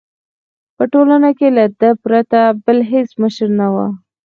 په ټولنه کې له ده پرته بل هېڅ مشر نه وو.